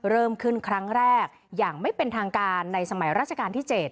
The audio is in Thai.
เริ่มขึ้นครั้งแรกอย่างไม่เป็นทางการในสมัยราชการที่๗